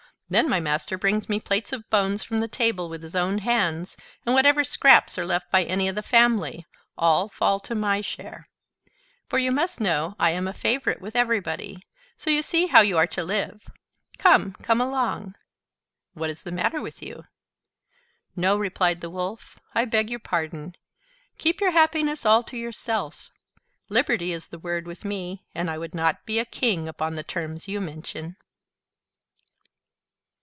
Then my master brings me plates of bones from the table with his own hands, and whatever scraps are left by any of the family, all fall to my share; for you must know I am a favorite with everybody. So you see how you are to live. Come, come along: what is the matter with you?" "No," replied the Wolf, "I beg your pardon: keep your happiness all to yourself. Liberty is the word with me; and I would not be a king upon the terms you mention."